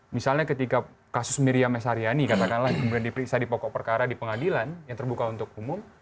misalnya ketika kasus miriam s haryani katakanlah kemudian diperiksa di pokok perkara di pengadilan yang terbuka untuk umum